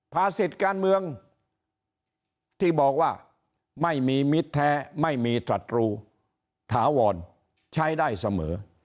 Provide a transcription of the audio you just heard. สิทธิ์การเมืองที่บอกว่าไม่มีมิตรแท้ไม่มีตรัตรูถาวรใช้ได้เสมอ